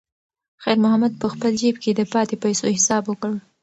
خیر محمد په خپل جېب کې د پاتې پیسو حساب وکړ.